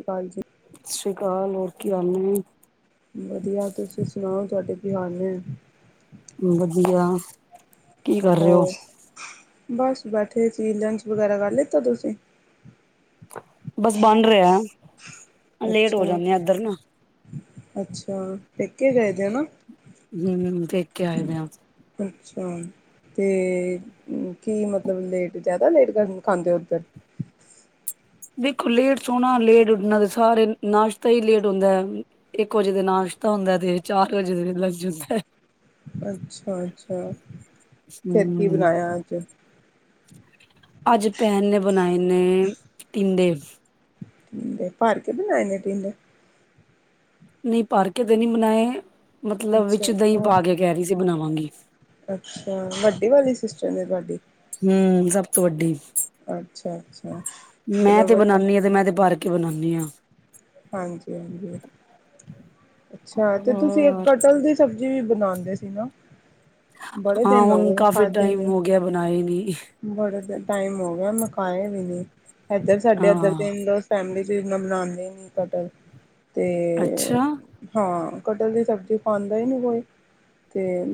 ਅਕਾਲ ਜੀ। ਸਤਿ ਸ਼੍ਰੀ ਅਕਾਲ, ਹੋਰ ਕੀ ਹਾਲ ਨੇ? ਵਧੀਆ, ਤੁਸੀਂ ਸੁਣਾਓ ਤੁਹਾਡੇ ਕੀ ਹਾਲ ਨੇ? ਵਧੀਆ। ਕੀ ਕਰ ਰਹੇ ਹੋ ਹੋਰ, ਬਸ ਬੈਠੇ ਸੀ ਲੰਚ ਵਗੈਰਾ ਕਰ ਲਿੱਤਾ ਤੁਸੀਂ? ਬਸ ਬਣ ਰਿਹਾ। ਲੇਟ ਹੋ ਅੱਛਾ, ਜਾਂਦੇ ਆ ਇੱਧਰ ਨਾ ਅੱਛਾ ਪੇਕੇ ਗਏਦੇ ਓ ਨਾ? ਹੂੰ, ਵੇਖਕੇ ਆਏ ਵੇ ਆ। ਅੱਛਾ। ਤੇ, ਕੀ ਮਤਲਬ ਲੇਟ ਜ਼ਿਆਦਾ ਲੇਟ ਖਾਂਦੇ, ਉੱਧਰ? ਦੇਖੋ ਲੇਟ ਸੋਣਾ, ਲੇਟ ਉਠਣਾ ਤੇ ਸਾਰੇ ਨਾਸ਼ਤਾ ਈ ਲੇਟ ਹੁੰਦਾ। ਇੱਕ ਵਜੇ ਤੇ ਨਾਸ਼ਤਾ ਹੁੰਦਾ, ਤੇ ਚਾਰ ਵਜੇ ਤੇ ਲੰਚ ਹੁੰਦੈ। ਅੱਛਾ-ਅੱਛਾ, ਫਿਰ ਕੀ ਹਮ ਬਣਾਇਆ ਅੱਜ? ਅੱਜ ਭੈਨ ਨੇ ਬਣਾਏ ਨੇ, ਟਿੰਡੇ। ਭਰ ਕੇ ਬਣਾਏ ਨੇ ਟਿੰਡੇ? ਨਹੀਂ ਭਰਕੇ ਤੇ ਨਹੀਂ ਬਣਾਏ, ਮਤਲਬ ਵਿੱਚ ਅੱਛਾ ਦਹੀਂ ਹੋਰ ਪਾਕੇ ਕਹਿ ਰਹੀ ਸੀ ਬਣਾਵਾਂਗੀ। ਅੱਛਾ, ਵੱਡੀ ਵਾਲੀ ਸਿਸਟਰਮ ਨੇ ਤੁਹਾਡੀ? ਹੂੰ, ਸਭ ਤੋਂ ਵੱਡੀ, ਅੱਛਾ ਅੱਛਾ ਮੈਂ ਚਲੋ ਤੇ ਵਧੀਆ ਬਣਾਂਨੀ ਆ, ਤੇ ਮੈਂ ਤੇ ਭਰ ਕੇ ਬਣਾਂਨੀ ਆ। ਹਾਂਜੀ-ਹਾਂਜੀ, ਅੱਛਾ ਤੇ ਤੁਸੀਂ ਹੋਰ ਕਟਲ ਦੀ ਸਬਜ਼ੀ ਵੀ ਬਣਾਂਦੇ ਸੀ ਨਾ? ਬੜੇ ਹਾਂ, ਦਿਨ ਹੋ ਹੁਣ ਗਏ ਕਾਫ਼ੀ ਖਾਧੇ ਟਾਈਮ ਨੀ ਹੋਗਿਆ ਬਣਾਏ ਨੀ। ਬੜੇ ਟਾਈਮ ਹੋਗਿਆ ਮਕਾਏ ਵੀ ਨੀ, ਇਧਰ ਸਾਡੇ ਇੱਧਰ ਹਾਂ ਤਿੰਨ ਰੋ ਫੈਮਲੀ'ਚ ਇਨਾ ਬਨਾਂਦੇ ਨੇ, ਕਟਰ, ਤੇ ਅੱਛਾ ਹਾਂ, ਕਟਲ ਦੀ ਸਬਜ਼ੀ ਖਾਂਦਾ ਈ ਨਹੀਂ ਕੋਈ, ਤੇ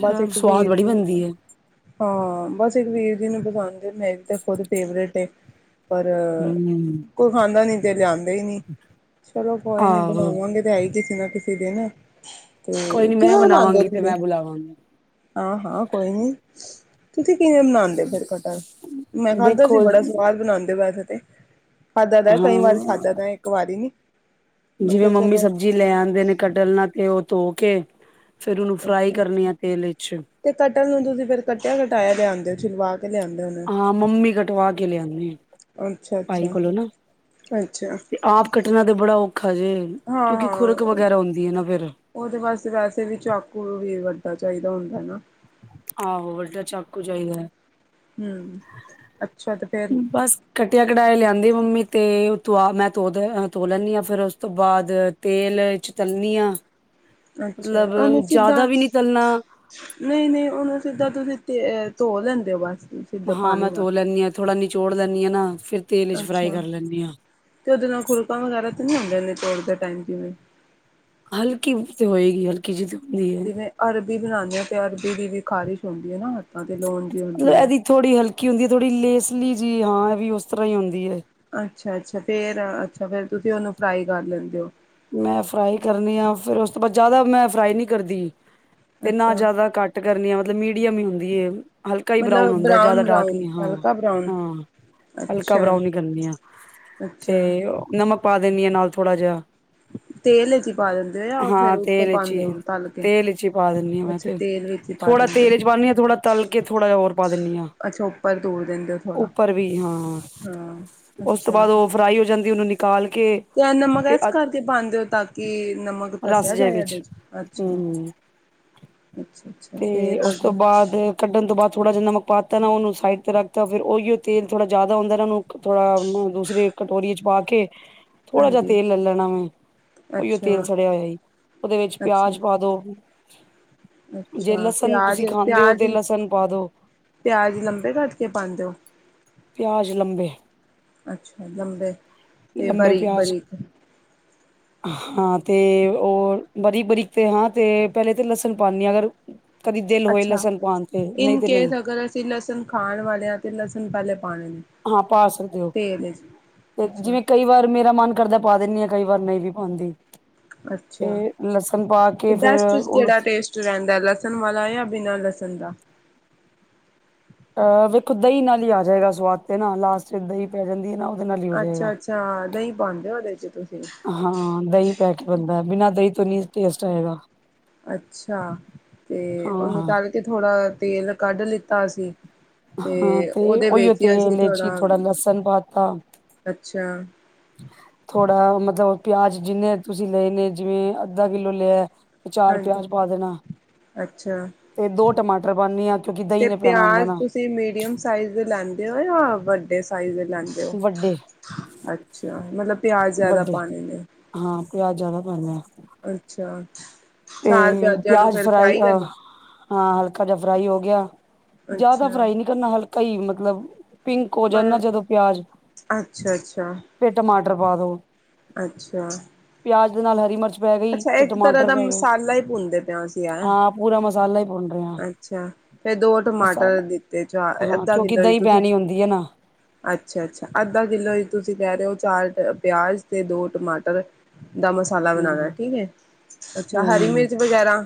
ਬਸ, ਇੱਕ ਸਵਾਦ ਵੀਰ ਬੜੀ ਜੀ ਬਣਦੀ ਨੇ ਹੈ ਹਾਂ, ਬਸ ਇੱਕ ਵੀਰ ਜੀ ਨੂੰ ਪਸੰਦ ਏ, ਮੇਰੀ ਤਾ ਖੁਦ ਫੇਵਰੇਟ ਏ। ਪਰ, ਹਮ ਕੋਈ ਖਾਂਦਾ ਨੀ ਤੇ ਲਿਆਂਦੇ ਈ ਨਹੀਂ। ਚਲੋ ਕੋਈ ਨੀ, ਆਹੋ ਬਣਾਵਾਂਗੇ ਤੇ ਹੈਈ ਕਿਸੇ ਨਾ ਕਿਸੇ ਦਿਨ। ਤੇ, ਕੋਈ ਨੀ ਮੈਂ ਕਿਵੇਂ ਬਣਾਂਦੇ ਓ ਬਣਾਵਾਂਗੀ ਤੇ ਮੈਂ ਬੁਲਾਵਾਂਗੀ [unintelligible] ਹਾਂ-ਹਾਂ ਕੋਈ ਨੀ। ਤੁਸੀਂ ਕਿਵੇਂ ਬਣਾਂਦੇ ਓ ਫਿਰ ਕਟਲ, ਮੈਂ ਖਾਧਾ ਸੀ ਦੇਖੋ ਬੜਾ ਸਵਾਦ ਬਣਾਂਦੇ ਵੈਸੇ ਤੇ। ਖਾਧਾ ਦਾ ਕਈ ਵਾਰ ਹਾਂ, ਖਾਧਾ ਦਾ ਇੱਕ ਵਾਰੀ ਨੀ ਮੈਂ ਜਿਵੇਂ ਕਿਹਾ ਮੰਮੀ ਚਲੋ ਸਬਜ਼ੀ ਲੈ ਆਂਦੇ ਨੇ, ਕਟਲ ਨਾ ਤੇ ਉਹ ਧੋਕੇ, ਫਿਰ ਉਹਨੂੰ ਫ੍ਰਾਈ ਅੱਛਾ ਕਰਨੀ ਆ ਤੇਲ ਇੱਚ। ਤੇ ਕਟਲ ਨੂੰ ਤੁਸੀ ਫਿਰ ਕੱਟਿਆ-ਕਟਾਇਆ ਲਿਆਂਦੇ ਓ, ਛਿਲਵਾਕੇ ਲਿਆਂਦੇ ਹੁੰ ਹਾਂ, ਮੰਮੀ ਕਟਵਾਕੇ ਲਿਆਂਦੀ, ਭਾਈ ਅੱਛਾ-ਅੱਛਾ, ਕੋਲੋਂ ਨਾ। ਅੱਛਾ ਆਪ ਕੱਟਣਾ ਤੇ ਬੜਾ ਔਖਾ ਜੇ, ਕਿਉਂਕਿ ਖੁਰਕ ਹਾਂ-ਹਾਂ। ਵਗੈਰਾ ਹੁੰਦੀ ਹੈ ਨਾ ਫਿਰ। ਉਹਦੇ ਵਾਸਤੇ, ਵੈਸੇ ਵੀ ਚਾਕੂ ਵੀ ਵੱਡਾ ਚਾਹੀਦਾ ਹੁੰਦਾ ਨਾ। ਆਹੋ, ਵੱਡਾ ਚਾਕੂ ਚਾਹੀਦੈ। ਹੂੰ, ਅੱਛਾ ਤੇ ਫੇਰ ਕੱਟਿਆ-ਕਟਾਇਆ ਲਿਆਂਦੀ ਮੰਮੀ ਤੇ, ਤ ਆ ਮੈਂ ਤੋ, ਧੋ ਲੈਂਦੀ ਆ, ਫਿਰ ਉਸ ਤੋਂ ਬਾਅਦ ਤੇਲ'ਚ ਤਲਨੀ ਆਂ। ਅੱਛਾ, ਉਹਨੁੰ ਸਿੱਧਾ ਵੀ ਨਹੀਂ ਤਲਣਾ ਨਹੀਂ-ਨਹੀਂ ਉਹਨੂੰ ਸਿੱਧਾ ਤੁਸੀਂ ਧੋ ਦੇੰਦੇ ਓ, ਬਸ? ਸਿੱਧਾ ਹਾਂ ਪਾਣੀ ਮੈਂ ਨਾਲ ਧੋ ਲੈਂਨੀ ਆ, ਥੋੜ੍ਹਾ ਨਿਚੋੜ ਲੈਂਨੀ ਆ ਨਾ, ਫਿਰ ਤੇਲ'ਚ ਫ੍ਰਾਈ ਅੱਛਾ ਕਰ ਲੈਂਨੀ ਆ। ਤੇ ਓਦੇ ਨਾਲ ਖੁੜਕਾ ਵਗੈਰਾ ਤਾਂ ਨੀ ਹੁੰਦੇ ਐਨੇ ਤੋੜ ਦੇ ਟਾਈਮ ਜਿਵੇਂ। ਹਲਕੀ ਤੇ ਹੋਏਗੀ ਹਲਕੀ ਜੀ ਤੇ ਹੁੰਦੀ ਐ। ਜਿਵੇਂ ਅਰਬੀ ਬਣਾਨੇ ਆ ਤੇ ਅਰਬੀ ਦੀ ਵੀ ਖ਼ਾਰਿਸ਼ ਹੁੰਦੀ ਐ ਨਾ ਹੱਥਾਂ ਤੇ ਲੋਣ ਜੀ ਹੁੰਦੀ ਐ। ਥੋੜ੍ਹੀ ਹਲਕੀ ਹੁੰਦੀ ਐ ਥੋੜੀ ਲੇਸਲੀ ਜੀ ਹਾਂ ਏ ਵੀ ਉਸ ਤਰ੍ਹਾਂ ਈ ਹੁੰਦੀ ਐ। ਅੱਛਾ ਅੱਛਾ, ਫੇਰ ਅੱਛਾ ਫੇਰ ਤੁਸੀਂ ਉਹਨੂੰ ਫਰਾਈ ਕਰ ਲੈਂਦੇ ਓ। ਮੈਂ ਫਰਾਈ ਕਰਨੀ ਆ ਫੇਰ ਉਸ ਤੋਂ ਬਾਅਦ ਜਿਆਦਾ ਮੈਂ ਫਰਾਈ ਮੀ ਕਰਦੀ ਤੇ ਨਾ ਅੱਛਾ ਜ਼ਿਆਦਾ ਘੱ ਘੱਟ ਕਰਨੀ ਆਂ ਮਤਲਬ ਮੀਡੀਅਮ ਈ ਹੁੰਦੀ ਐ। ਹਲਕਾ ਈ ਬਰਾਊਨ ਮਤਲਬ ਹੁੰਦਾ ਜ਼ਿਆਦਾ ਡਾਰਕ ਬਰਾਊਨ ਨੀ ਹਾਂ ਹਲਕਾ ਬਰਾਊਨ ਹਾਂ। ਹਲਕਾ ਅੱਛਾ ਬਰਾਊਨ ਈ ਕਰਨੀ ਆ ਤੇ ਅੱਛਾ ਨਮਕ ਪਾ ਦਿਨੀ ਆ ਨਾਲ ਥੋੜ੍ਹਾ ਜਾ। ਤੇਲ ਵਿੱਚ ਈ ਪਾ ਦਿੰ ਓ ਫਿਰ ਹਾਂ ਉੱਤੇ ਤੇਲ ਚ ਪਾਂਦੇ ਓ ਹੀ ਤਲ ਕੇ ਤੇਲ ਵਿਚ ਹੀ ਪਾ ਦਿੰਦੀ ਆ ਮੈਂ ਅੱਛਾ ਤੇ ਤੇਲ ਵਿੱਚੀ ਪਾ ਥੋੜਾ ਦਿੰਦੇ ਤੇਲ ਚ ਪਾਨੀ ਆ ਥੋੜਾ ਤਲ ਕੇ ਓ। ਥੋੜਾ ਜਿਹਾ ਹੋਰ ਪਾ ਦਿੰਦੀ ਆ ਅੱਛਾ, ਉੱਪਰ ਡੋਲ ਦਿੰਦੇ ਓ ਥੋੜ੍ਹਾ ਉੱਪਰ ਵੀ ਹਾਂ ਹਾਂ। ਅੱਛਾ। ਉਸ ਤੋਂ ਬਾਅਦ ਓ ਫਰਾਈ ਹੋ ਜਾਂਦੀ ਓਨੂੰ ਨਿਕਾਲ ਕੇ। ਤੇ ਐ ਨਮਕ ਤੇ ਏਸ ਅ ਕਰਕੇ ਪਾਂਦੇ ਓ ਤਾਂ ਕੀ, ਨਮਕ ਤਾਂ ਰਸ ਸੈ ਜੇ ਜਾਏ ਏਦੇ ਵਿੱਚ ਚ ਅੱਛਾ ਹੂੰ ਅੱਛਾ। ਅੱਛਾ ਤੇ ਫੇਰ ਓਸ ਤੋਂ ਅੱਗੇ ਬਾਅਦ ਕੱਢਣ ਤੋਂ ਬਾਅਦ ਥੋੜ੍ਹਾ ਜਾ ਨਮਕ ਪਾਤਾ ਨਾ ਓਨੂੰ ਸਾਈਡ'ਤੇ ਰੱਖਤਾ ਫਿਰ ਓਹੀਓ ਤੇਲ ਥੋੜਾ ਜਿਆਦਾ ਹੁੰਦਾ ਨਾ ਓਨੂੰ ਥੋੜਾ ਦੂਸਰੀ ਕਟੋਰੀ ਚ ਪਾ ਕੇ। [inaudible] ਥੋੜਾ ਜਾ ਤੇਲ ਲੈ ਲੈਣਾ ਵਾਂ ਓਈਓ ਅੱਛਾ ਤੇਲ ਸੜਿਆ ਹੋਇਆ ਈ ਓਦੇ ਵਿੱਚ ਅੱਛਾ ਪਿਆਜ ਪਾ ਦੋ। ਜੇ ਅੱਛਾ, ਲਸਣ ਪਿਆਜ ਤੁਸੀਂ ਖਾਂਦੇ ਹੋ ਪਿਆਜ ਤੇ ਲਸਣ ਪਾ ਦੋ ਪਿਆਜ ਲੰਬੇ ਕੱਟ ਕੇ ਪਾਂਦੇ ਓ। ਪਿਆਜ ਲੰਬੇ ਅੱਛਾ ਲੰਬੇ ਤੇ ਲੰਬੇ ਬਾਰੀਕ ਪਿਆਜ ਬਾਰੀਕ। [inaudible] ਹਾਂ, ਤੇ ਓ ਬਰੀਕ ਬਰੀਕ ਤੇ ਹਾਂ ਤੇ ਪੈਲੇ ਤੇ ਲਸਣ ਪਾਣੀ ਆ ਅਗਰ। ਕਦੀ ਦਿਲ ਹੋਏ ਅੱਛਾ, ਲਸਣ ਪਾਣ ਤੇ ਨਹੀਂ ਇਨ ਤੇ ਨਹੀਂ ਕੇਸ ਅਗਰ ਅਸੀਂ ਲਸਣ ਖਾਣ ਵਾਲਿਆਂ ਤੇ ਲਸਣ ਪੈਲੇ ਪਾਨੀ। ਹਾਂ, ਪਾ ਸਕਦੇ ਓ ਤੇ ਅੱਛਾ ਜਿਵੇਂ ਕਈ ਕਈ ਵਾਰ ਮੇਰਾ ਮਨ ਕਰਦਾ ਪਾ ਦਿਨੀ ਆ ਕਈ ਵਾਰ ਨਹੀਂ ਵੀ ਪਾਉਂਦੀ। ਤੇ ਅੱਛਾ ਲਸਣ ਪਾ ਤੇ ਕੇ ਫੇਰ ਬੈਸਟ ਓਨੂੰ। ਕਿਹੜਾ ਟੇਸਟ ਰਹਿੰਦਾ ਲਸਣ ਵਾਲਾ ਜਾਂ ਬਿਨਾਂ ਲਸਣ ਦਾ। ਅਹ ਵੇਖੋ ਦਹੀਂ ਨਾਲ ਹੀ ਆ ਜਾਏਗਾ ਸਵਾਦ ਤੇ ਨਾ ਲਾਸਟ ਚ ਦਹੀਂ ਪੈ ਜਾਂਦੀ ਐ ਨਾ। ਨਾਲ ਹੀ ਹੋ ਅੱਛਾ ਜਾਏਗਾ। ਅੱਛਾ, ਦਈ ਪਾਂਦੇ ਓਦੇ ਦੇ ਚ ਤੁਸੀਂ। ਹਾਂ ਦਈ ਪੈ ਕੇ ਬਨਦਾ ਬਿਨਾਂ ਦਈ ਤੋਂ ਨੀ ਟੇਸਟ ਆਏਗਾ। ਅੱਛਾ, ਤੇ ਉਹਨੂੰ ਹਾਂ। ਤਲ ਤੇ ਥੋੜਾ ਤੇਲ ਕੱਢ ਲਿੱਤਾ ਅਸੀਂ। ਤੇ ਹਾਂ ਤੇ ਓਦੇ ਉਹੀਓ ਵਿੱਚੀ ਅਸੀਂ ਤੇਲ ਵਿਚ ਥੋੜਾ ਲਸਣ ਪਾਤਾ ਅੱਛਾ। ਥੋੜ੍ਹਾ ਮਤਲਬ ਪਿਆਜ ਜਿੰਨੇ ਤੁਸੀਂ ਲਏ ਨੇ ਜਿਵੇਂ ਅੱਧਾ ਕਿੱਲੋ ਲਿਆ। ਤੇ ਚਾਰ ਹਾਂਜੀ ਪਿਆਜ ਪਾ ਦੇਣਾ ਅੱਛਾ ਤੇ ਦੋ ਟਮਾਟਰ ਪਾਨੀ ਆ। ਕਿਉਂਕਿ ਤੇ ਦਹੀਂ ਨੇ ਪੈਣਾ ਹੁੰਦਾ ਪਿਆਜ਼ ਨਾ ਤੁਸੀਂ ਮੀਡੀਅਮ ਸਾਈਜ਼ ਦੇ ਲੈਂਦੇ ਓ ਜਾਂ ਵੱਡੇ ਸਾਈਜ਼ ਦੇ ਲੈਂ ਵੱਡੇ ਅੱਛਾ ਮਤਲਬ ਪਿਆਜ ਜਿਆਦਾ ਵੱਡੇ ਪਾਨੇ ਨੇ। ਹਾਂ ਪਿਆਜ਼ ਜਿਆਦਾ ਪਾਨੇ ਆ। ਅੱਛਾ, ਚਾਰ ਤੇ ਪਿਆਜਾਂ ਨੂੰ ਪਿਆਜ ਫੇਰ ਫਰਾਈ ਅ ਕਰਨਾ। ਹਾਂ, ਹਲਕਾ ਜਾ ਫਰਾਈ ਹੋ ਗਿਆ ਜਿਆਦਾ ਅੱਛਾ ਫਰਾਈ ਨੀ ਕਰਨਾ ਹਲਕਾ ਈ ਮਤਲਬ। ਪਿੰਕ ਹੋ ਜਾਣ ਨਾ ਮਤਲਬ ਜਦੋ ਪਿਆਜ ਅੱਛਾ ਅੱਛਾ ਫਿਰ ਟਮਾਟਰ ਪਾ ਦੋ- ਅੱਛਾ ਪਿਆਜ ਦੇ ਨਾਲ ਹਰੀ ਮਿਰਚ ਪੈ ਗਈ ਅਛਾ ਤੇ ਇਕ ਤਰ੍ਹਾਂ ਟਮਾਟਰ ਦਾ ਪੈ ਗਏ ਮਸਾਲਾ ਈ ਭੁੰਣਦਾ ਪਿਆ ਕਿਆ ਹਾਂ ਪੂਰਾ ਮਸਾਲਾ ਹੀ ਭੁੰਨ ਰਹੇ ਹਾਂ ਅੱਛਾ ਤੇ ਦੋ ਟਮਾਟਰ ਮਸਾਲਾ ਦਿਤੇ ਚਾਅ ਹਾਂ ਅੱਧਾ ਕਿਲੋ ਕਿਉਂਕਿ ਲਾਇ ਦਹੀਂ ਤੇ ਥੀ ਪੈਣੀ ਹੁੰਦੀ ਹੈ ਨਾ ਅਛਾ ਅਛਾ ਅੱਧਾ ਕਿਲੋ ਤੁਸੀ ਕਹਿ ਰਹੇ ਓ ਚਾਰ ਪਿਆਜ ਤੇ ਦੋ ਟਮਾਟਰ ਦਾ ਮਸਾਲਾ ਬਣਾਣਾ ਹਮ ਠੀਕ ਹੈ ਅੱਛਾ ਹਰੀ ਹਮ ਮਿਰਚ ਵਗੈਰਾ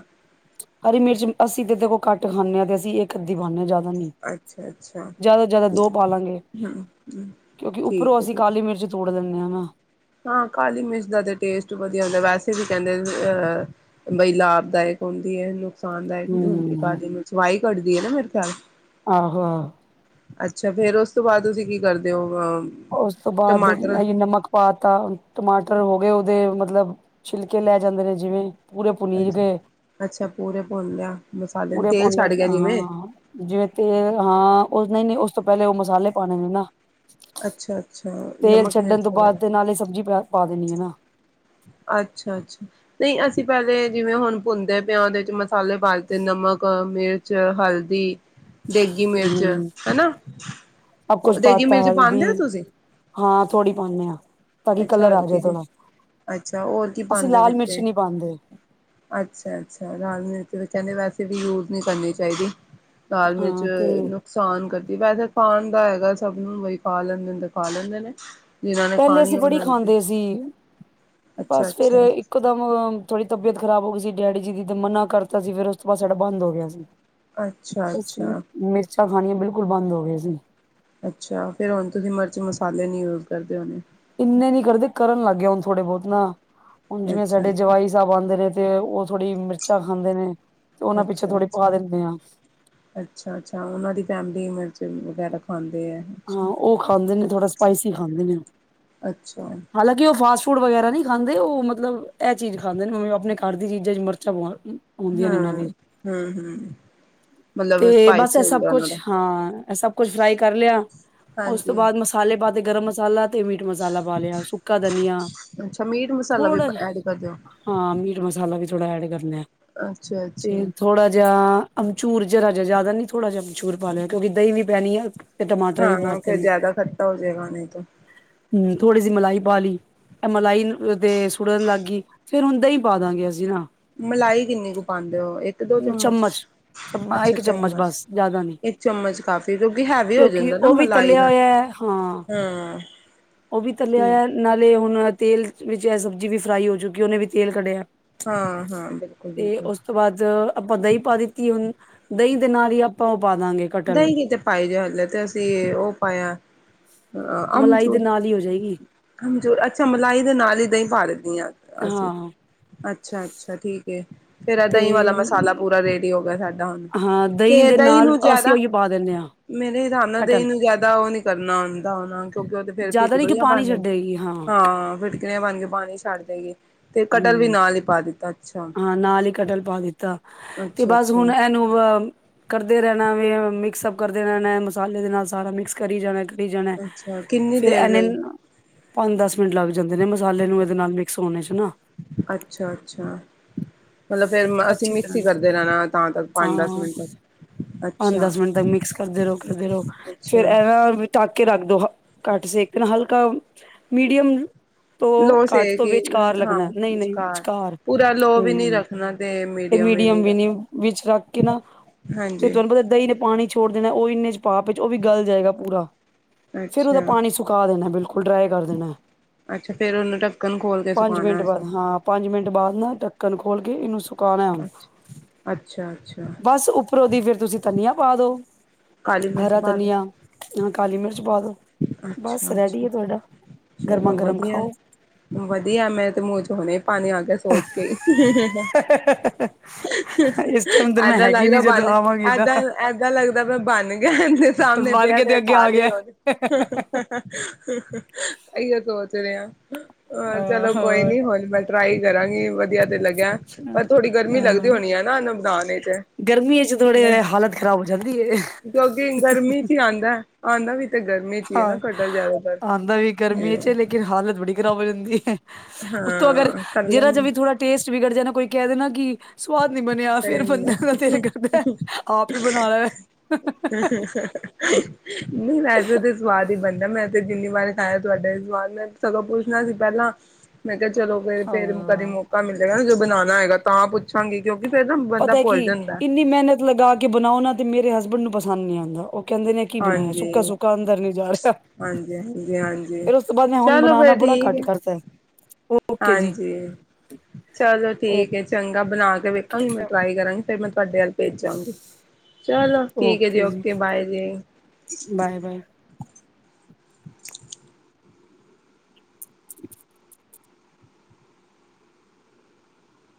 ਹਰੀ ਮਿਰਚ ਅਸੀ ਤੇ ਦੇਖੋ ਘੱਟ ਖਾਂਨੇ ਆ ਤੇ ਅਸੀ ਇਹ ਅੱਧੀ ਪਾਣੀ ਆ ਜਿਆ ਹਨੀ ਈ ਅੱਛਾ ਅੱਛਾ ਜਾਦਾ ਤੋ ਜਾਦਾ ਦੋ ਪਾਲਾਗੇ ਕਿਉਕਿ ਉਪਰੋ ਠੀਕ ਹੈ ਅਸੀ ਠੀਕ ਕਾਲੀ ਮਿਰਚ ਤੋੜ ਲੈਣੇ ਆ ਨਾ ਹਾਂ ਕਾਲੀ ਮਿਰਚ ਦਾ ਤੇ ਟੇਸਟ ਵਧੀਆ ਹੁੰਦਾ ਵੈਸੇ ਵੀ ਕਹਿਦੇ ਅਹ ਬਈ ਲਾਭਦਾਇਕ ਹੁੰਦੀ ਐ ਨੁਕਸਾਨ ਦਾਇਕ ਨਹੀ ਹੁੰਦੀ ਹਮ ਕਾਲੀ ਮਿਰਚ ਵਾਈ ਕੱਢਦੀ ਐ ਨਾ ਮੇਰੇ ਖਿਆਲ- ਆਹੋ ਆਹੋ ਅਛਾ ਫੇਰ ਉਸ ਤੋ ਬਾਅਦ ਤੁਸੀ ਕੀ ਕਰਦੇ ਓ ਬਾਅ ਉਸ ਤੋ ਬਾਅਦ ਅਹੀ ਈ ਨਮਕ ਪਾਤਾ ਟਮਾਟਰ ਹੋ ਗਏ ਉਹਦੇ ਮਤਲਬ ਛਿਲਕੇ ਲੈ ਜਾਦੇ ਨੇ ਜਿਵੇ ਪਾ ਪੂਰੇ ਪੁਨੀ ਦੇ ਏ ਅਛਾ ਪੂਰੇ ਭੁੰਨ ਲਿਆ ਮਸਾਲੇ ਨੂੰ ਤੇਲ ਛੱਡ ਕੇ ਗੀਵੇ ਜਿਵੇ ਤੇਲ ਹਾਂ ਉਹ ਨਹੀ ਨਹੀ ਉਸ ਤੋ ਪਹਿਲੇ ਉਹ ਮਸਾਲੇ ਪਾਉਣੇ ਨੇ ਨਾ ਅੱਛਾ ਅੱਛਾ ਤੇਲ ਨਮਕ ਛੱਡਣ ਮਿਰਚ ਤੋ ਬਾਅਦ ਵਗੈਰਾ ਤੇ ਨਾਲੇ ਸਬਜੀ ਪਾ ਦੇਣੀ ਐ ਨਾ ਅੱਛਾ ਅੱਛਾ ਨਹੀ ਅਸੀ ਪਹਿਲੇ ਜਿਵੇ ਹੁਣ ਪੁੰਣਦੇ ਪਿਆਦੇ ਪਾਲੇ ਪਾਤੇ ਨਮਕ ਮਿਰਚ ਹਲਦੀ ਦੇਗੀ ਮਿਰਚ ਹੂੰ ਹਨਾ ਆ ਸਭ ਉ ਕੁਛ ਦੇਗੀ ਪਾਤਾ ਮਿਰਚ ਹਲਦੀ ਪਾਦੇ ਓ ਤੁਸੀ ਹਾਂ ਥੋੜ੍ਹੀ ਪਾਣੇ ਆ ਤਰਈ ਅੱਛਾ ਕਲਰ ਆ ਹਲਦੀ ਜਾਏ ਦੀ ਥੋੜਾ ਅੱਛਾ ਹੋਰ ਕੀ ਅਸੀਂ ਪਾਉਂਦੇ ਹੋ ਲਾਲ ਵਿੱਚ ਮਿਰਚ ਨਹੀਂ ਪਾ ਦੇ ਅੱਛਾ ਅੱਛਾ ਲਾਲ ਮਿਰਚ ਚ ਵੈਸੇ ਵੀ ਯੂਜ ਨਹੀ ਕਰਨੀ ਚਾਹੀਦੀ ਈ ਦਾਲ ਮਿਰਚ ਹਾਂ ਤੇ ਲੂ ਸਾਨ ਕਰਦੀ ਵੈਸੇ ਖਾਣ ਦਾ ਹੈਗਾ ਸਭ ਨੂੰ ਪਾ ਲੈਦੇ ਨੇ ਪਾ ਲੈਦੇ ਨੇ ਜਿਨਾ ਪਹਿਲੇ ਅਸੀ ਬੜੀ ਖਾਦੇ ਸੀ ਅੱਛਾ ਬਸ ਫਿਰ ਅੱਛਾ ਇਕ ਇਕਦਮ ਥੋੜੀ ਤਬੀਅਤ ਖਰਾਬ ਹੋ ਗਈ ਸੀ ਡੈਡੀ ਜੀ ਦੀ ਤੇ ਮਨਾ ਕਰਤਾ ਸੀ ਫਿਰ ਉਸ ਤੋਂ ਬਾਅਦ ਸਾਡਾ ਬੰਦ ਹੋ ਗਿਆ ਸੀ ਅੱਛਾ ਅਸੀ ਈ ਅੱਛਾ ਮਿਰਚਾ ਖਾਣੀਆਂ ਬਿਲਕੁਲ ਬੰਦ ਹੋ ਗਏ ਸੀ ਅੱਛਾ ਫੇਰ ਹੁਣ ਤੁਸੀ ਮਿਰਚ ਮਸਾਲੇ ਨੀ ਯੂਜ ਕਰਦੇ ਹੋਣੇ ਇਨੇ ਵੀ ਕਰਦੇ ਕਰਨ ਲੱਗ ਜਾਣ ਥੋੜੇ ਬਹੁਤ ਨਾ ਹੁਣ ਜਿਵੇ ਅੱਛਾ ਸਾਡੇ ਅੱਛਾ ਜਵਾਈ ਸਾਹਿਬ ਆਦੇ ਨੇ ਤੇ ਜਿਹੜੀ ਮਿਰਚਾ ਖਾਦੇ ਨੇ ਤੇ ਉਹਨਾ ਪਿੱਛੋ ਅੱਛਾ ਥੋੜ੍ਹੀ ਪਾ ਅੱਛਾ ਦਿੰਦੇ ਆ ਅੱਛਾ ਅੱਛਾ ਉਹਨਾ ਦੀ ਪਾ ਦੇ ਉ ਮਿਰਚ ਵਗੈਰਾ ਖਾਦੇ ਐ ਹਾਂ ਉਹ ਖਾਦੇ ਨੇ ਥੋੜਾ ਸਪਾਈਸੀ ਖਾਦੇ ਨੇ ਅੱਛਾ ਹਾਲਾਂਕਿ ਉਹ ਫਾਸਟ ਫੂਡ ਵਗੈਰਾ ਨਹੀ ਖਾਦੇ ਏ ਉਹ ਮਤਲਬ ਇਹ ਚੀਜ ਖਾਦੇ ਨੇ ਨਿਉ ਐਬਨਟ ਘਰ ਦੀ ਚੀਜਾ ਚ ਮਿਰਚਾ ਪਾਉਂਦੇ ਹੂ ਹੂ ਹੂ ਤੇ ਏ ਬਸ ਇਹ ਸਭ ਕੁਛ ਹਾਂ ਇਹ ਸਭ ਕੁਛ ਫਰਾਈ ਕਰ ਲਿਆ ਇਸ ਤੋ ਹਾਂਜੀ। ਬਾਅਦ ਮਸਾਲੇ ਦਾ ਤੇ ਗਰਮ ਮਸਾਲਾ ਤੇ ਮੀਟ ਮਸਾਲਾ ਪਾ ਲਿਆ ਸੁੱਕਾ ਦਨੀਆ ਅੱਛਾ ਮੀਟ ਮਸਾਲਾ ਧਣੀਆ ਵੀ ਥੈੜਾ ਜਿਹਾ ਐਡ ਕਰਦੇ ਹੋ ਹਾਂ ਮੀਟ ਮਸਾਲਾ ਵੀ ਥੋੜ੍ਹਾ ਐਡ ਕਰ ਲਿਆ ਤੇ ਅੱਛਾ-ਅੱਛਾ। ਥੋੜਾ ਜਿਹਾ ਆ ਅਮਚੂਰ ਜਰਾ ਜਿਹਾ ਜਿਆਦਾ ਨਹੀ ਥੋੜਾ ਜਿਹਾ ਅਮਚੂਰ ਪਾ ਲਿਆ ਕਿਉਕ ਦਈ ਵੀ ਪੈਣੀ ਐ ਤੇ ਟਮਾ ਹਾਂਓ ਫਿਰ ਜਿਆਦਾ ਖੱਟਾ ਹੋ ਜਾਏਗਾ ਨਹੀ ਤੇ ਹੂੰ ਥੋੜੀ ਜਹੀ ਮਲਾਈ ਪਾ ਲਈ ਏ ਮਲਾਈ ਦੇ ਸੁੜਨ ਲੱਗ ਗਈ ਫੇਰ ਹੁਣ ਦਹੀਂ ਪਾ ਦਾਗੇ ਅਸੀ ਨਾ- ਮਲਾਈ ਕਿਨੀ ਕੁ ਪਾਉਦੇ ਹੋ ਇਕ, ਦੋ ਚਮਚ- ਚਮਚ ਅੱਛਾ ਇੱਕ ਚਮਚ ਬਸ ਜ਼ਿਆਦਾ ਨੀ ਇੱਕ ਚਮਚ ਕਾਫ਼ੀ ਕਿਉਂਕਿ ਹੈਵੀ ਹੋ ਕਿਉਂਕਿ ਜਾਂਦਾ। ਫੇਰ ਉਹ ਓ ਵੀ ਮਲਾਈ ਤਲਿਆ ਨਾ, ਹੋਇਆ ਹਾਂ ਹਾਂ। ਉਹ ਵੀ ਤਲਿਆ ਠੀਕ। ਹੋਇਆ ਨਾਲੇ ਹੁਨ ਤੇਲ ਵਿੱਚ ਏ ਸਬਜ਼ੀ ਵੀ ਫਰਾਈ ਹੋ ਜੂਗੀ ਉਹਨੇ ਵੀ ਤੇਲ ਕਢਿਆ। ਹਾਂ-ਹਾਂ ਤੇ ਬਿਲਕੁਲ-ਬਿਲਕੁਲ ਉਸ ਤੋਂ ਬਾਅਦ ਅ, ਆਪਾਂ ਦਹੀਂ ਪਾ ਦਿੱਤੀ ਏ ਹੁਨ, ਦਹੀਂ ਦੇ ਨਾਲ ਈ ਆਪਾਂ ਉਹ ਪਾ ਦਾਂਗੇ- ਕਟਲ ਦਹੀਂ ਕਿਥੇ ਪਾਈ ਜੇ ਹਲੇ ਤੇ ਅਸੀਂ ਉ ਪਏਆ ਅ ਮਲਾਈ ਅੰਬਚੂ- ਦੇ ਨਾਲ ਹੀ ਹੋ ਜਾਏਗੀ। ਆਮਚੂਰ ਅੱਛਾ ਮਲਾਈ ਦੇ ਨਾਲ ਈ ਦਾਂਹੀਂ ਪਾ ਦੇਂਨੀ ਆ ਅਸੀਂ ਹਾਂ ਅੱਛਾ- ਅੱਛਾ ਠੀਕ, ਫੇਰ ਤੇ ਦਹੀਂ ਵਾਲਾ ਮਸਾਲਾ ਪੂਰਾ ਰੇਡੀ ਹੋ ਗਿਆ ਸਾਡਾ ਹੁਣ, ਹਾਂ ਤੇ ਦੇ ਦਹੀਂ ਨਾਲ ਨੂੰ ਅਸੀਂ ਜਾਦਾ, ਉਹੀਓ ਪਾ ਦਿੰਦੇ ਹਾਂ ਮੇਰੇ ਹਿਸਾਬ ਨਾਲ ਦੇਹੀਂ ਕਟਲ ਨੂੰ ਜਾਦਾ ਉ ਨੀ ਕਰਨਾ ਔਂਦਾ ਉਹਨਾ ਕਿਉਂਕਿ ਉਹ ਤੇ ਫੇਰ ਜ਼ਿਆਦਾ ਨੀ ਕਿ ਫੇਟਕਲੀਆਂ ਪਾਣੀ ਬਾਨ ਜਾਣ। ਛੱਡੇਗੀ ਹਾਂ ਫਿੜਕਰੀ ਬਣ ਕੇ ਪਾਣੀ ਛੱਡ ਦੇਗੀ ਤੇ ਕਟਰ ਵੀ ਹਮ ਨਾਲ ਈ ਪਾ ਦਿੱਤਾ। ਅੱਛਾ। ਹਾਂ ਨਾਲ ਹੀ ਕਟਲ ਪਾ ਦਿੱਤਾ, ਤੇ ਬਸ ਅੱਛਾ-ਅੱਛਾ, ਹੁਣ ਅੱਛਾ ਇਹਨੂੰ ਅ- ਕਰਦੇ ਰਹਿਣਾ ਵੀ ਮਿਕਸ ਅਪ ਕਰਦੇ ਰਹਿਣਾ ਏ ਮਸਾਲੇ ਦੇ ਨਾਲ ਸਾਰਾ ਮਿਕਸ ਕਰੀ ਜਾਣਾ। ਕਰੀ ਜਾਣਾ ਏ ਅੱਛਾ ਕਿੰਨੀ ਫਿਰ ਦੇਰ ਐਨੇ, ਲਈ ਪੰਜ- ਦਸ ਮਿੰਟ ਲੱਗ ਜਾਂਦੇ ਨੇ ਮਸਾਲੇ ਨੂੰ ਇਹਦੇ ਨਾਲ ਮਿਕਸ ਹੋਣੇ ਚ ਨਾ। ਅੱਛਾ- ਅੱਛਾ। ਮਤਲਬ ਫੇਰ ਅਸੀਂ ਅੱਛੀ ਮਿਕਸ ਤਰ੍ਹਾਂ ਈ ਕਰਦੇ ਰਹਿਣਾ ਤਾਂ ਤਕ ਪੰਜ -ਦਸ ਹਾਂ ਮਿੰਟ, ਪੰਜ, ਦਸ ਮਿੰਟ ਅੱਛਾ-ਅੱਛਾ। ਤੱਕ ਮਿਕਸ ਕਰਦੇ ਰਹੋ- ਕਰਦੇ ਰਹੋ ਫੇਰ ਐਂ ਨਾ, ਢੱਕ ਕੇ ਰੱਖ ਦੋ ਹ ਘੱਟ ਸੇਕ ਤੇ ਨਾ ਹਲਕਾ ਮੀਡੀਅਮ। ਤੋ ਲੋ ਘੱਟ ਸੇ ਤੋਂ ਕਿ ਵਿਚੇਕਾਰ ਹਾਂ ਲੱਗਣਾ ਨਹੀਂ- ਨਹੀਂ ਵਿਚਕਾਰ। ਪੂਰਾ ਲੋ ਵੀ ਨੀ ਹੂੰ ਰੱਖਣਾ ਤੇ ਵੀ ਮੀਡੀਅਮ ਵਿ ਨੀ ਰੱਖਣਾ ਵਿੱਚ ਰੱਖ ਕੇ ਨਾ, ਤੇ ਹਾਂਜੀ ਤੁਹਾਨੂੰ ਪਤਾ ਦਹੀਂ ਨੇ ਪਾਣੀ ਛੋੜ ਦੇਣਾ ਉ ਇੰਨੇ ਚ ਭਾਪ ਵਿੱਚ ਉਹ ਵੀ ਗਲ ਜਾਏਗਾ ਪੂਰਾ। ਫਿਰ ਉਹਦਾ ਅੱਛਾ ਪਾਣੀ ਸੁਖਾ ਦੇਣਾ ਬਿਲਕੁਲ, ਡਰਾਈ ਕਰ ਦੇਣਾ। ਅੱਛਾ ਫੇਰ ਉਹਨੂੰ ਢੱਕਣ ਖੋਲ ਕੇ ਪੰਜ ਸੁਖਾਣਾ ਮਿੰਟ ਬਾਅਦ ਅਸੀਂ। ਹਾਂ ਪੰਜ ਮਿੰਟ ਬਾਅਦ ਨਾ ਢੱਕਣ ਖੋਲ ਕੇ ਇਹਨੂੰ ਸੁ- ਅਛ, ਅੱਛਾ- ਅੱਛਾ। ਪਰ ਉਹਦੀ ਫੇਰ ਤੁਸੀਂ ਧਨੀਆ ਪਾ ਦੋ, ਕਾਲੀ ਮਿਰਚ ਹਰਾ ਪਾ ਦੋ ਧਨੀਆ ਵੇ ਕਾਲੀ ਮਿਰਚ ਪਾ ਦੋ। ਬਸ ਅੱਛਾ ਰੈਡੀ ਅੱਛਾ ਐ ਤੁਹਾਡਾ। ਗਰਮਾ ਚਲੋ ਗਰਮ ਵਧੀਆ- ਖਾਓ। ਵਧੀਆ ਮੈਂ ਤੇ ਮੁੂੰ ਚ ਹਲੇ ਪਾਣੀ ਆ ਕੇ ਸੋਚ ਕੇ ਈ। ਇਸ ਟਾਈਮ ਤੇ ਮੈਂ ਏਧਾਂ ਲੱਗ ਹੈਗੀ ਰੇਹਾ ਨੀ ਬਨ, ਜਦੋਂ ਆਵਾਂਗੀ ਤਾਂ ਏਧਾਂ ਏਦਾਂ ਲੱਗਦਾ ਪੇਆ ਬਣ ਗਿਆ ਸਾਹਮਣੇ ਬਣ ਪਿਆ ਕੇ ਤੇ -ਪਿਆ ਅੱਗੇ ਖਾ ਆ ਲਈਐ ਗਿਆ। ਬਸ। ਏ ਇ ਓ ਸੋਚ ਰਹੇ ਆ। ਅ ਅ ਚਲੋ ਕੋਈ ਹੋਰ ਨੀ ਹੁਣ ਮੈਂ ਟਰਾਈ ਕਰਾਂਗੀ, ਵਧੀਆ- ਤੇ ਲੱਗਿਆ ਪਰ ਥੋੜੀ ਗਰਮੀ ਅ ਲੱਗਦੀ ਹੋਣੀ ਏ ਹਨਾ ਇਹਨੂੰ ਬਣਾਣੇ ਚ। ਗਰਮੀਆਂ ਚ ਥੋੜੇ ਹਾਲਤ ਖ਼ਰਾਬ ਹੋ ਜਾਂਦੀ ਐ। ਕਿਉਂਕਿ ਗਰਮੀ ਚ ਹੀ ਆਂਦਾ ਆਂਦਾ ਵੀ ਤੇ ਗਰਮੀ ਚ ਹੀ ਹੈ ਨਾ ਹਾਂ ਕਟਹਲ ਜ਼ਿਆਦਾਤਰ ਆਂਦਾ ਵੀ ਗਰਮੀ ਚ ਹੂੰ ਲੇਕਿਨ ਹਾਲਤ ਬੜੀ ਖ਼ਰਾਬ ਹੋ ਜਾਂਦੀ ਐ। ਉਤੋਂ ਅਗਰ ਹਾਂ ਤਰਲੇ ਜਿਰਾ ਜੇ ਵੀ ਥੋੜਾ ਟੇਸਟ ਵਿਗੜ ਜਾਏ ਨਾ ਕੋਈ ਕਹਿ ਦੇਣਾ ਕਿ, ਸਵਾਦ ਨੀ ਬਣਿਆ ਫੇਰ ਸਹੀ ਨੀ ਆ ਬੰਦਿਆਂ ਦਾ ਦਿਲ ਕਰਦਾ ਆਪ ਈ ਬਣਾ ਲੈ ਫੇਰ, ਨਹੀਂ ਵੈਸੇ ਤਾਂ ਸਵਾਦ ਹੀ ਬਣਦਾ ਮੈਂ ਤੇ ਜਿੰਨੀ ਵਾਰ ਖਾਇਆ ਤੁਹਾਡਾ ਸਵਾਦ ਨਾਲ। ਸਗੋਂ ਪੁੱਛਣਾ ਸੀ ਪਹਿਲਾਂ ਮੈਂ ਕਿਹਾ ਚਲੋ ਫ ਫੇਰ ਕਦੇ ਹਾਂ ਮੋ- ਕਾ ਮਿਲੇਗਾ ਨਾ ਜੇ ਬਨਾਣਾ ਹੋਏਗਾ ਤਾਂ ਪੁੱਛਾਂਗੀ ਕਿਉਂਕਿ- ਫੇਰ ਨਾ ਬੰਦਾ ਪਤਾ ਕਿ ਭੁੱਲ ਜਾਂਦਾ ਇੰਨੀ ਮਿਹਨਤ ਲਗਾ ਕੇ ਬਣਾਓ ਨਾ ਤੇ ਮੇਰੇ ਹਸਬੈਂਡ ਨੂੰ ਪਸੰਦ ਨੀ ਆਂਦਾ ਉਹ ਕਹਿੰਦੇ ਨੇ, ਕੀ ਬਣਾਇਆ ਸੁੱਕਾ- ਹਾਂਜੀ ਸੁੱਕਾ ਅੰਦਰ ਨੀ ਜਾ ਰਿਹਾ, ਹਾਂਜੀ ਹਾਂਜੀ ਹਾਂਜੀ ਫੇਰ ਉਸ ਤੋਂ ਬਾਅਦ ਮੈਂ ਹੁਣ ਚਲੋ ਬਣਾਣਾ ਫੇਰ ਬੜਾ ਠੀਕ ਘੱਟ ਹੈ ਕਰ ਅੱਛਾ, ਹਾਂਜੀ, ਚਲੋ ਠੀਕ ਐ ਚੰਗਾ ਬਣਾ ਕੇ ਓਕੇ ਵੇਖਾਂਗੀ ਮੈਂ ਟਰਾਈ ਕਰਾਂਗੀ। ਫਿਰ ਮੈਂ ਤੁਹਾਡੇ ਵੱਲ ਭੇਜਾ ਜਾਊਂਗੀ, ਚਲੋ ਠੀਕ ਐ ਜੀ ਓਕੇ ਬਾਏ ਜੀ। [inaudible] [inaudible]